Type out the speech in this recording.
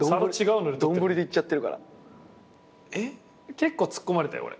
結構ツッコまれたよ俺。